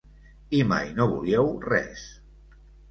I mai no volíeu res.